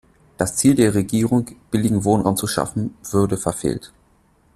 Das Ziel der Regierung, billigen Wohnraum zu schaffen, würde verfehlt.